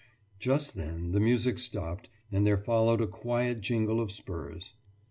Just then the music stopped and there followed a quiet jingle of spurs....